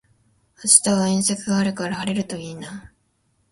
明日は遠足があるから晴れるといいな